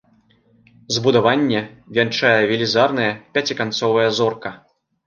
Збудаванне вянчае велізарная пяціканцовая зорка.